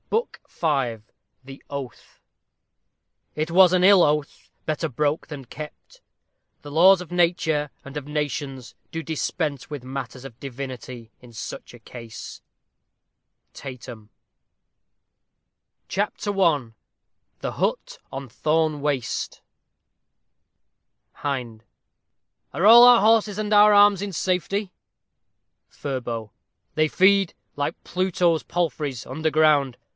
BOOK V THE OATH It was an ill oath better broke than kept The laws of nature, and of nations, do Dispense with matters of divinity In such a case. TATEHAM. CHAPTER I THE HUT ON THORNE WASTE Hind. Are all our horses and our arms in safety? Furbo. They feed, like Pluto's palfreys, under ground.